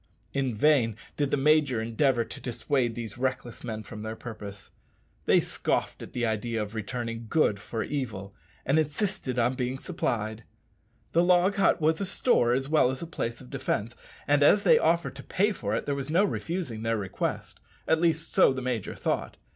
In vain did the major endeavour to dissuade these reckless men from their purpose. They scoffed at the idea of returning good for evil, and insisted on being supplied. The log hut was a store as well as a place of defence, and as they offered to pay for it there was no refusing their request at least so the major thought.